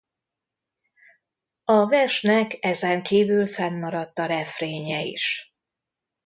A versnek ezen kívül fennmaradt a refrénje is.